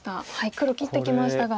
黒切ってきましたが。